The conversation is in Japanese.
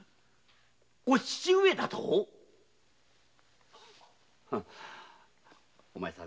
お父上だと⁉お前さん